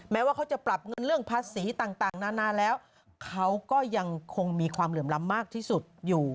ว่าเขาจะปรับเงินเรื่องภาษีต่างนานาแล้วเขาก็ยังคงมีความเหลื่อมล้ำมากที่สุดอยู่